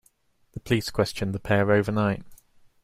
The police questioned the pair overnight